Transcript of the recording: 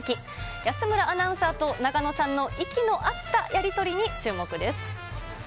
安村アナウンサーと永野さんの息の合ったやり取りに注目です。